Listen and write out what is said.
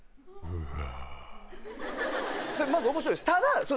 うわ。